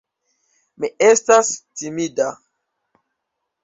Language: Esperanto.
Mi estas timida.